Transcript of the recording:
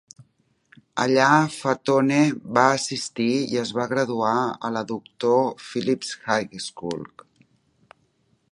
Allà, Fatone va assistir i es va graduar a la Doctor Phillips High School.